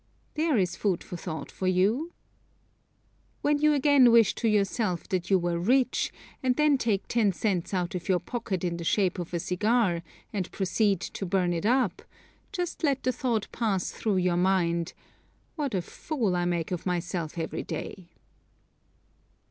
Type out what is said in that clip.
There is food for thought for you. When you again wish to yourself that you were rich, and then take ten cents out of your pocket in the shape of a cigar, and proceed to burn it up, just let the thought pass through your mind, "What a fool I make of myself every day."